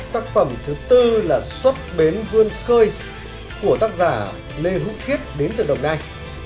tác phẩm thứ bốn là xuất bến vươn cơi của tác giả lê hữu thiết đến từ đồng nai